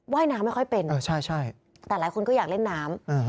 ว่ายน้ำไม่ค่อยเป็นแต่หลายคนก็อยากเล่นน้ำ